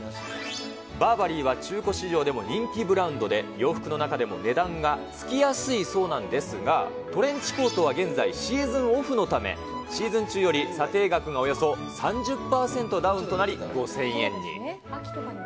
バーバリーは中古市場でも人気ブランドで、洋服の中でも値段がつきやすいそうなんですが、トレンチコートは現在シーズンオフのため、シーズン中より査定額がおよそ３０％ダウンとなり、５０００円に。